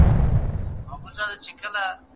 سیلۍ نامردي ورانوي آباد کورونه